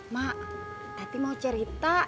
mak tati mau cerita